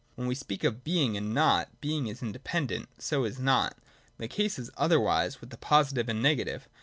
When we speak of Being and Nought, Being is independent, so is Nought. The case is otherwise with the Positive and the Negative.